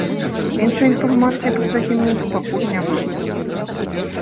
Іншай інфармацыі пра загінулых пакуль няма.